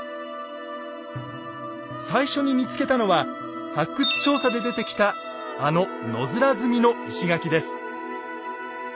最初に見つけたのは発掘調査で出てきたあの野面積みの石垣です。